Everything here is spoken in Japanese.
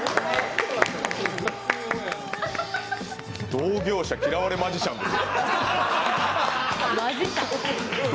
同業者嫌われマジシャンですよ。